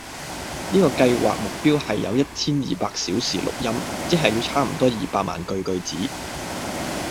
呢個計劃目標係要有一千二百小時錄音，即係要差唔多二百萬句句子